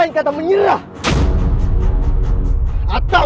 aku akan menangkanmu